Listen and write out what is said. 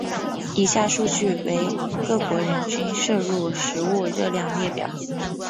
以下数据为各国人均摄入食物热量列表。